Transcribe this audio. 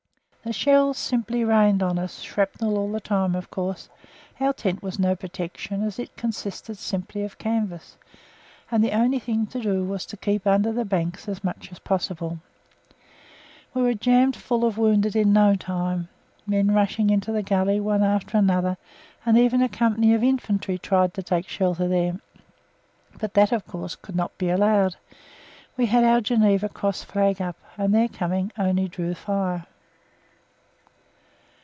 The shells simply rained on us, shrapnel all the time; of course our tent was no protection as it consisted simply of canvas, and the only thing to do was to keep under the banks as much as possible. We were jammed full of wounded in no time. Men rushing into the gully one after another, and even a company of infantry tried to take shelter there; but that, of course, could not be allowed. We had our Geneva Cross flag up, and their coming there only drew fire.